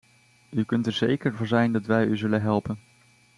U kunt er zeker van zijn dat wij u zullen helpen.